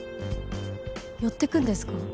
寄ってくんですか？